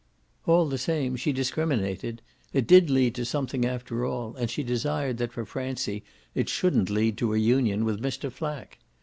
All the same she discriminated; it did lead to something after all, and she desired that for Francie it shouldn't lead to a union with Mr. Flack.